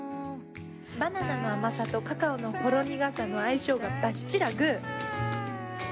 バナナの甘さとカカオのほろ苦さの相性がばっちらグー！